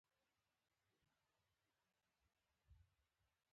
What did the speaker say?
لقب ورکړی وو.